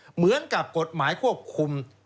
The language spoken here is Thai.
เหมือนกับกฎหมายควบคุม